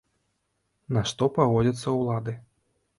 На што пагодзяцца ўлады?